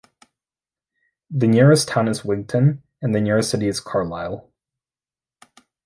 The nearest town is Wigton, and the nearest city is Carlisle.